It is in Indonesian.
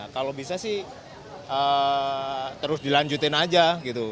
kalau bisa sih terus dilanjutin aja gitu